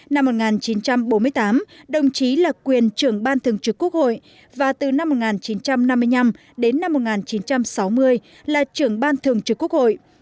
năm một nghìn chín trăm bốn mươi tám đồng chí là quyền trưởng ban thường trực quốc hội và từ năm một nghìn chín trăm năm mươi năm đến năm một nghìn chín trăm sáu mươi là trưởng ban thường trực quốc hội